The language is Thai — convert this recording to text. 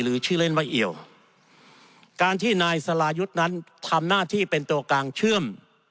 ชื่อเล่นว่าเอี่ยวการที่นายสรายุทธ์นั้นทำหน้าที่เป็นตัวกลางเชื่อม